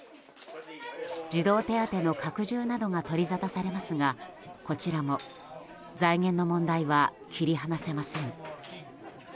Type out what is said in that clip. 児童手当の拡充などが取りざたされますがこちらも財源の問題は切り離せません。